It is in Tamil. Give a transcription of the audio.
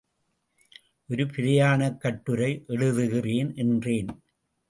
ஒரு பிரயாணக் கட்டுரை எழுதுகிறேன் என்றேன்.